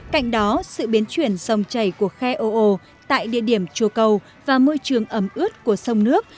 cạnh đó sự biến chuyển sông chảy của khe ô ô tại địa điểm chùa cầu và môi trường ấm ướt của sông nước